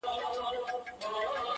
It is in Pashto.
مور بې حاله کيږي ناڅاپه,